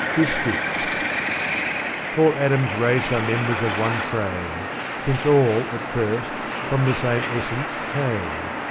Dis^'chs, All Adam's race arc members of one frame ; Since all, at first, from the same essence came.